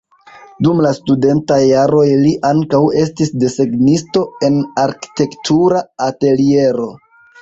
Dum la studentaj jaroj li ankaŭ estis desegnisto en arkitektura ateliero.